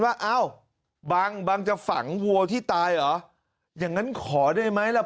ว่าเอ้าบังบังจะฝังวัวที่ตายเหรออย่างนั้นขอได้ไหมล่ะ